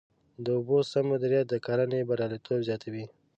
د اوبو سم مدیریت د کرنې بریالیتوب زیاتوي.